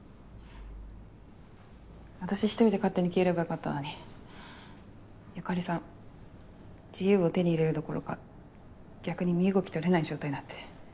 私ひとりで勝手に消えればよかったのに由香里さん自由を手に入れるどころか逆に身動き取れない状態になって。